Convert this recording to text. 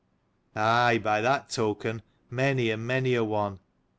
Aye, by that token, many and many a one.